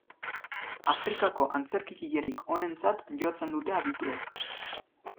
Afrikako antzerkigilerik onentzat jotzen dute adituek.